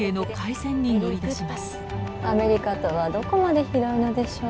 アメリカとはどこまで広いのでしょう。